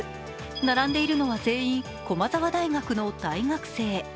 並んでいるのは全員、駒沢大学の大学生。